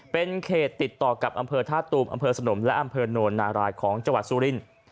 เป็นเขตติดต่อกับอำเภอท่าตูมอำเภอสนมและอำเภอโนนนารายของจังหวัดสุรินทร์